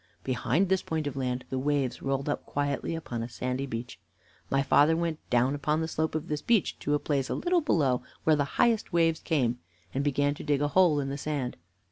Behind this point of land the waves rolled up quietly upon a sandy beach. My father went down upon the slope of this beach, to a place a little below where the highest waves came, and began to dig a hole in the sand.